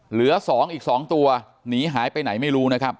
เหลือ๒อีก๒ตัวหนีหายไปไหนไม่รู้นะครับ